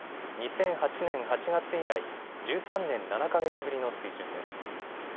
２００８年８月以来、１３年７か月ぶりの水準です。